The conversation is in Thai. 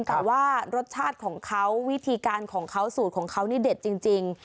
แต่ว่ารสชาติของเขาวิธีการของเขาสูตรของเขานี่เด็ดจริง